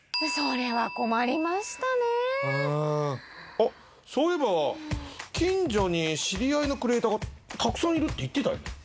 おっそういえば近所に知り合いのクリエイターがたくさんいるって言ってたよな？